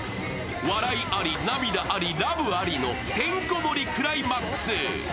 笑いあり、涙あり、ラブありのてんこ盛りクライマックス。